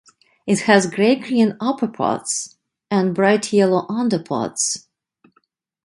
It has grey-green upperparts and bright yellow underparts.